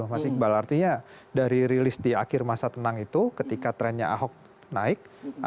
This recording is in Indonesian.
mas iqbal artinya dari rilis di akhir masa tenang itu ketika trennya ahok naik